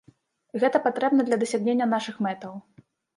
Гэта патрэбна для дасягнення нашых мэтаў.